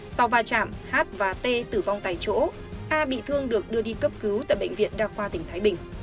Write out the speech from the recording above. sau va chạm hát và t tử vong tại chỗ a bị thương được đưa đi cấp cứu tại bệnh viện đa khoa tỉnh thái bình